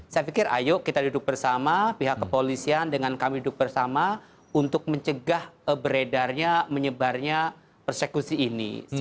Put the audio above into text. saya pikir ayo kita duduk bersama pihak kepolisian dengan kami duduk bersama untuk mencegah beredarnya menyebarnya persekusi ini